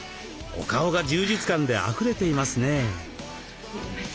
お顔が充実感であふれていますね。